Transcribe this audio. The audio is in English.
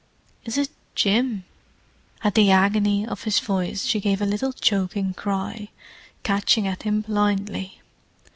"Is it Jim?" At the agony of his voice she gave a little choking cry, catching at him blindly.